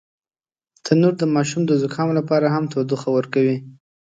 تنور د ماشوم د زکام لپاره هم تودوخه ورکوي